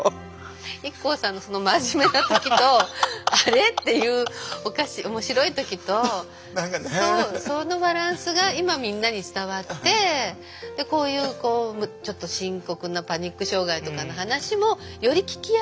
ＩＫＫＯさんのその真面目な時と「あれ？」っていう面白い時とそのバランスが今みんなに伝わってでこういうちょっと深刻なパニック障害とかの話もより聞きやすく。